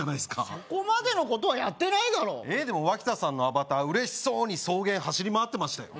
そこまでのことはやってないだろえっでも脇田さんのアバター嬉しそうに草原走り回ってましたよ